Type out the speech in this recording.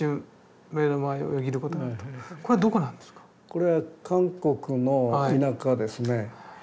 これは韓国の田舎ですね。